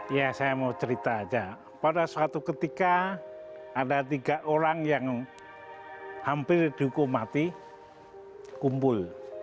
ya saya mau cerita aja pada suatu ketika ada tiga orang yang hampir dihukum mati kumpul